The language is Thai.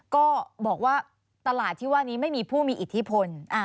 ก็บอกว่าตลาดที่ว่านี้ไม่มีผู้มีอิทธิพล